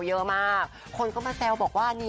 ฉันไม่เห็นอะไรดี